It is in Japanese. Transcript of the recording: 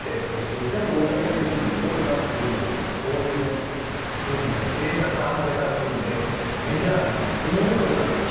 いかに大谷選手がすごいかというのをこういうふうにデータ化された部分でメジャーがすごいことになっています。